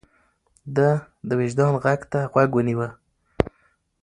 ده د وجدان غږ ته غوږ نيوه.